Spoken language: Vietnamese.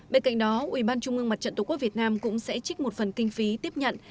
bên cạnh đó ủy ban trung ương mặt trận tổ quốc việt nam cũng sẽ trích một phần kinh phí tiếp nhận